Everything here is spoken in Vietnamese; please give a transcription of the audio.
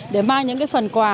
để mang những cái phần quà